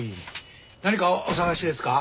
何かお探しですか？